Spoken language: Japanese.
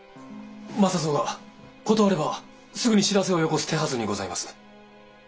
政蔵が事あればすぐに知らせをよこす手はずにございます。